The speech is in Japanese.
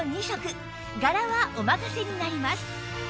柄はお任せになります